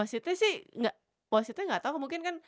kewasitnya gak tau mungkin kan